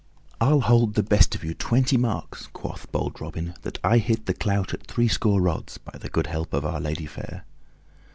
"I'll hold the best of you twenty marks," quoth bold Robin, "that I hit the clout at threescore rods, by the good help of Our Lady fair."